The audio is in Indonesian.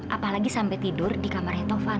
apalagi sampai tidur di kamarnya tovan